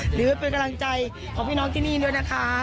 หรือเป็นกำลังใจของพี่น้องที่นี่ด้วยนะคะ